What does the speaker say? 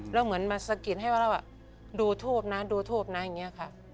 เราเหมือนมาสกิดให้เราดูทูปนะอย่างนี้ค่ะ